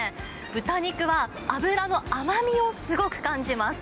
豚肉は脂の甘みをすごく感じます。